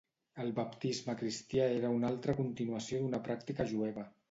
El baptisme cristià era una altra continuació d'una pràctica jueva.